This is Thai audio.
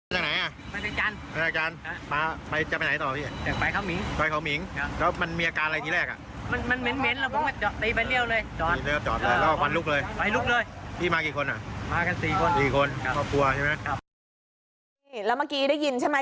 แล้วเมื่อกี้ได้ยินใช่ไหม